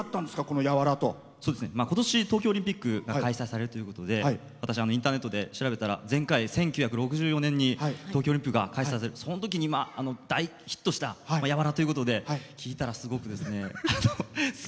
ことし、東京オリンピックが開催されるということで私、インターネットで調べたら前回１９６４年に東京オリンピックそのときに大ヒットした「柔」ということでそこから聴いています。